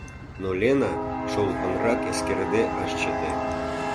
Но Лена шолыпынрак эскерыде ыш чыте.